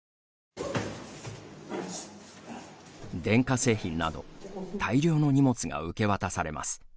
電化製品など大量の荷物が受け渡されます。